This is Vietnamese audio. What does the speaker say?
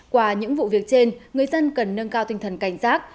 qua những vụ việc trên người dân cần nâng cao tinh thần cảnh giác